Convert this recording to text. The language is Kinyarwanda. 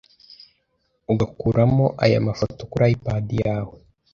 ugakuramo aya mafoto kuri iPad yawe.